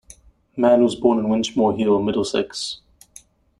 Mann was born in Winchmore Hill, Middlesex.